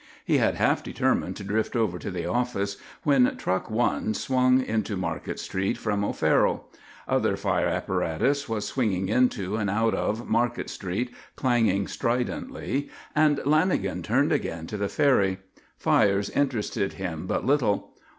He had half determined to drift over to the office, when Truck One swung into Market Street from O'Farrell. Other fire apparatus was swinging into and out of Market Street, clanging stridently, and Lanagan turned again to the ferry. Fires interested him but little.